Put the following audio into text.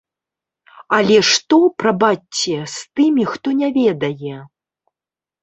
Але што, прабачце, з тымі, хто не ведае?